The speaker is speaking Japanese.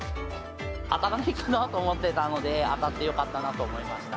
当たらないかなと思ってたので、当たってよかったなと思いました。